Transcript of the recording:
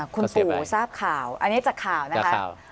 คุณปู่ทราบข่าวอันนี้จากข่าวนะคะ